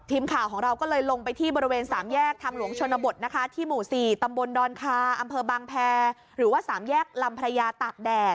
ทีมข่าวของเราก็เลยลงไปที่บริเวณสามแยกทางหลวงชนนบทที่หมู่๔ตำบลดอนคา